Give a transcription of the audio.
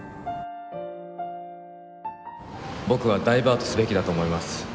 僕はダイバートすべきだと思います。